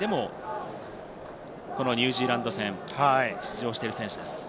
１６４ｃｍ、前回大会でもニュージーランド戦、出場している選手です。